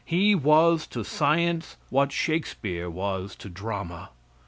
He was to science what Shakespeare was to the drama.